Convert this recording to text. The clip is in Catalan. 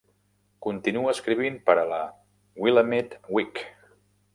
Continua escrivint per a la "Willamette Week".